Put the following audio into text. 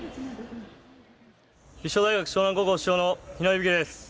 立正大学淞南高校主将の日野勇吹です。